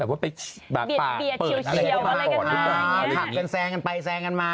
อักกภายคนแซงกันไปแซงกันมา